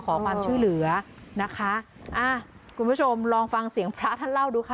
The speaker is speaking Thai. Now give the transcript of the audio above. ขอความช่วยเหลือนะคะอ่าคุณผู้ชมลองฟังเสียงพระท่านเล่าดูค่ะ